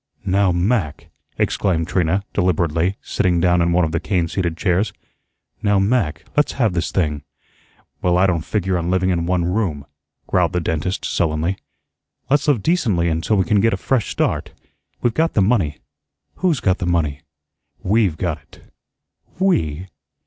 "Now, Mac," exclaimed Trina, deliberately, sitting down in one of the cane seated chairs; "now, Mac, let's have this thing " "Well, I don't figure on living in one room," growled the dentist, sullenly. "Let's live decently until we can get a fresh start. We've got the money." "Who's got the money?" "WE'VE got it." "We!"